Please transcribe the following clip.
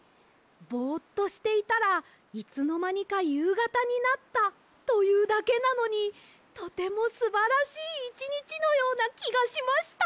ぼっとしていたらいつのまにかゆうがたになったというだけなのにとてもすばらしいいちにちのようなきがしました！